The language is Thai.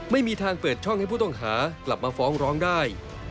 ไม่มีทางเปิดช่องให้ผู้ต้องหากลับมาฟ้องร้องได้